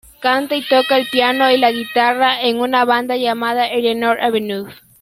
Canta y toca el piano y la guitarra en una banda llamada "Eleanor Avenue".